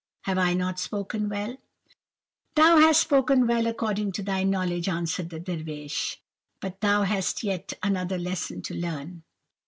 Have I not spoken well?' "'Thou hast spoken well according to thy knowledge,' answered the Dervish, 'but thou hast yet another lesson to learn.